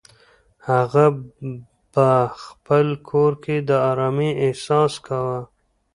هغه په خپل کور کې د ارامۍ احساس کاوه.